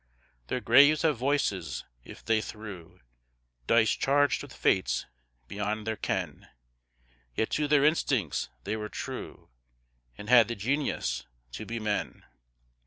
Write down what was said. Their graves have voices; if they threw Dice charged with fates beyond their ken, Yet to their instincts they were true, And had the genius to be men.